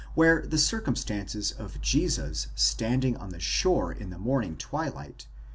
where the circumstances of Jesus standing on the shore in the morning twilight.